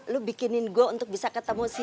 lu bikinin gue untuk bisa ketemu si